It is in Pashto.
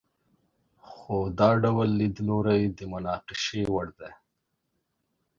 خو دا ډول لیدلوری د مناقشې وړ دی.